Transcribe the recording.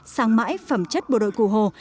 sang mãi phẩm chất bộ đội cụ hồ